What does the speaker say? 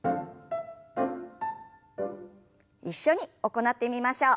一緒に行ってみましょう。